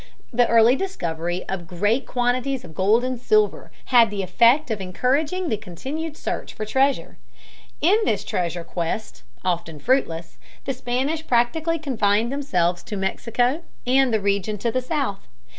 The early discovery of great quantities of gold and silver had the effect of encouraging the continued search for treasure. In this treasure quest, often fruitless, the Spanish practically confined themselves to Mexico and the region to the south.